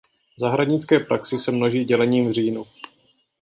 V zahradnické praxi se množí dělením v říjnu.